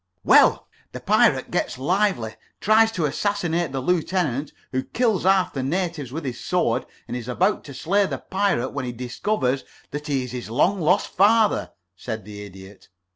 "Well the pirate gets lively, tries to assassinate the lieutenant, who kills half the natives with his sword, and is about to slay the pirate when he discovers that he is his long lost father," said the Idiot.